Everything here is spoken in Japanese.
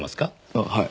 ああはい。